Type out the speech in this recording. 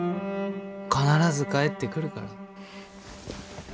必ず帰ってくるから。